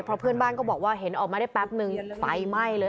เพราะเพื่อนบ้านก็บอกว่าเห็นออกมาได้แป๊บนึงไฟไหม้เลย